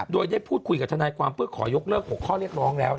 โดยได้พูดคุยกับทนายความเพื่อขอยกเลิก๖ข้อเรียกร้องแล้ว